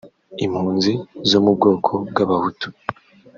Impunzi zo mu bwoko bw’abahutu